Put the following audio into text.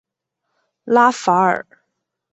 拉法尔。